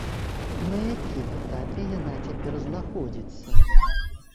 На якім этапе яна цяпер знаходзіцца?